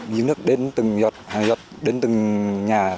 vì những nước đến từng nhà